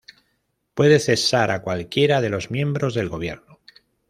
Puede cesar a cualquiera de los miembros del Gobierno.